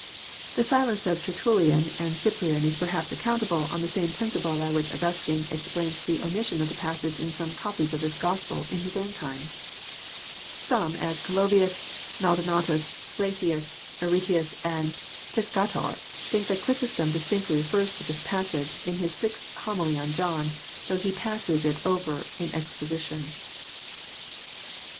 — The silence of Tertulllan and Cyprian is perhaps acconntablc, on the same principles by which Augus tine explains the omission of the passage in some copies of this Gospel in bis own time. Some, as Calovlus, Maldonatus, Flaclus, Aretlus, and Flsca tor, think that Chrysostom distinctly refers to this passage, In bis Sixtieth Homily on John, though he passes It over in expo sition. 8.